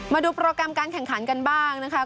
มาดูโปรแกรมการแข่งขันกันบ้างนะคะ